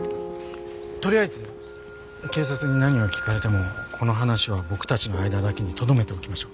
とりあえず警察に何を聞かれてもこの話は僕たちの間だけにとどめておきましょう。